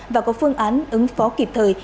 và có phương án ứng phó kịp thời